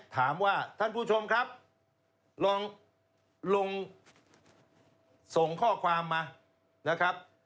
ถามว่าท่านผู้ชมครับลองลงส่งข้อความมานะครับ